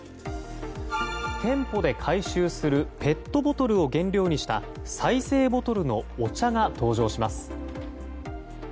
店舗で回収するペットボトルを原料にした再生ボトルのお茶が登場します。